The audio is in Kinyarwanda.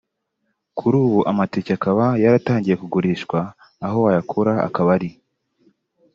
Kuri ubu amatike akaba yaratangiye kugurishwa aho wayakura akaba ari